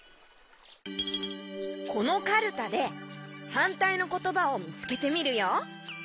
このカルタではんたいのことばをみつけてみるよ。